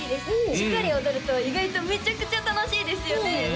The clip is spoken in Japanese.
しっかり踊ると意外とめちゃくちゃ楽しいですよね